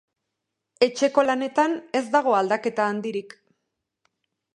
Etxeko lanetan ez dago aldaketa handirik.